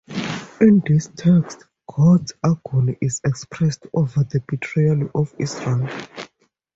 In this text, God's agony is expressed over the betrayal of Israel.